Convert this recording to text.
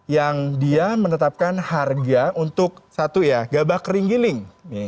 yang dia menetapkan harga untuk satu ya gabah kering giling